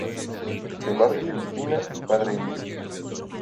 De madre filipina y padre indio.